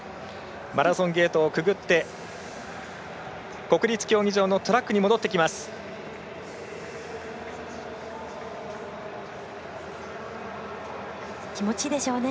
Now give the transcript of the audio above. マラソンゲートをくぐって国立競技場のトラックに気持ちいいでしょうね。